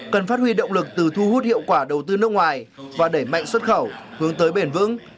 cần phát huy động lực từ thu hút hiệu quả đầu tư nước ngoài và đẩy mạnh xuất khẩu hướng tới bền vững